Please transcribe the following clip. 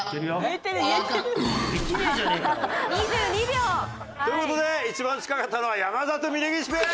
「２２秒！」という事で一番近かったのは山里・峯岸ペア！